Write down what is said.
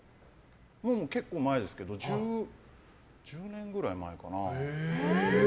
もう結構前ですけど１０年ぐらい前かな。